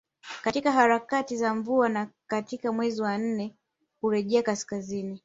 Katika harakati za mvua na katika mwezi wa nne hurejea kaskazini